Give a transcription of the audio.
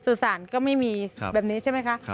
สื่อสารก็ไม่มีแบบนี้ใช่ไหมคะ